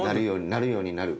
「なるようになる」